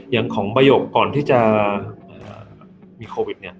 อย่างของประโยคก่อนที่จะมีโควิด